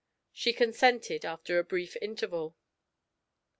She consented, after a brief interval.